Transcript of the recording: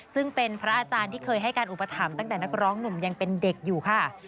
ซึ่งเป็นพระอาจารย์ที่เคยให้การอุปถัมภ์ตั้งแต่นักร้องหนุ่มยังเป็นเด็กอยู่ค่ะ